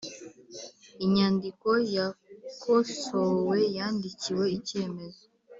inyandiko yakosowe yandikiwe Icyemezo